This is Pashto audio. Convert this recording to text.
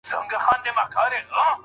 څوک چي دوې يا درې لوڼي وروزي.